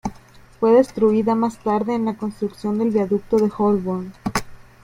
Fue destruida más tarde en la construcción del viaducto de Holborn.